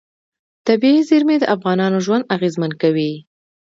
طبیعي زیرمې د افغانانو ژوند اغېزمن کوي.